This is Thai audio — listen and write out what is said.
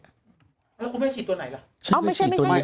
แล้วคุณแม่ฉีดตัวไหนล่ะ